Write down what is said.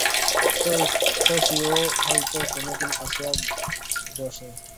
শশীও হয়তো কোনোদিন আসিয়া বসে।